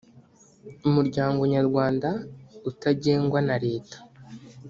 umuryango nyarwanda utagengwa na leta